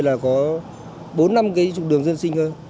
là có bốn năm cái trục đường dân sinh hơn